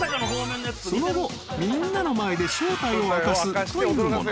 ［その後みんなの前で正体を明かすというもの］